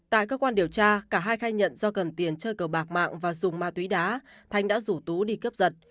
tại cơ quan điều tra cả hai khai nhận do cần tiền chơi cờ bạc mạng và dùng ma túy đá thanh đã rủ tú đi cướp giật